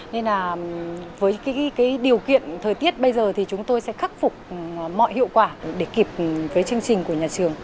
nên là với điều kiện thời tiết bây giờ thì chúng tôi sẽ khắc phục mọi hiệu quả để kịp với chương trình của nhà trường